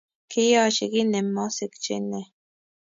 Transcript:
Kikiyochi kit ne mosikchinei .